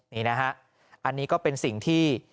นี่นะฮะอันนี้ก็เป็นสิ่งที่